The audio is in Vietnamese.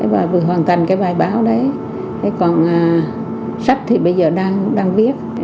và vừa hoàn thành cái bài báo đấy còn sách thì bây giờ đang viết